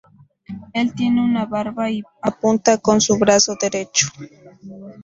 Él tiene una barba y apunta con su brazo derecho.